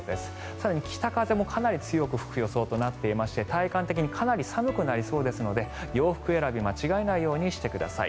更に北風もかなり吹く予想となっていまして体感的にかなり寒くなりそうですので洋服選び間違えないようにしてください。